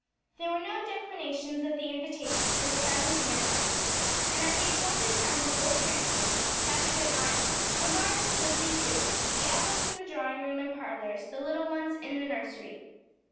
There were no declinations of the invitation to the family dinner party, and at the appointed time the whole connection gathered at Ion a large and goodly troop the adults in drawing room and parlors, the little ones in the nursery.